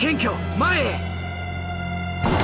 前へ！